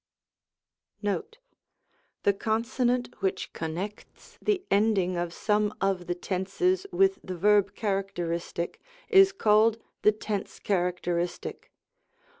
Note, The consonant which connect the ending of some of the tenses with the verb characteristic, is called the tense characteristic.